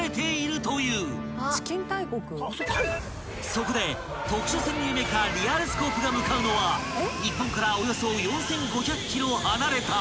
［そこで特殊潜入メカリアルスコープが向かうのは日本からおよそ４，５００ｋｍ離れた］